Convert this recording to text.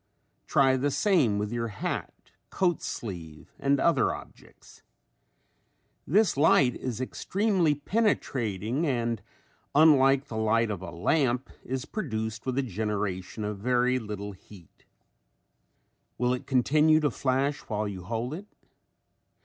Try the same with your hat, coat sleeve and other objects. This light is extremely penetrating and unlike the light of a lamp is produced with the generation of very little heat. Will it continue to flash while you hold it?